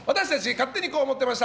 勝手にこう思ってました！